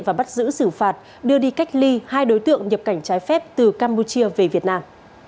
và bắt giữ xử phạt đưa đi cách ly hai đối tượng nhập cảnh trái phép từ campuchia về việt nam